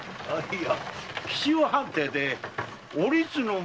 いや。